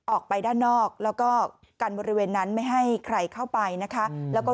ออกไปด้านนอกแล้วก็กันบริเวณนั้นไม่ให้ใครเข้าไปนะคะแล้วก็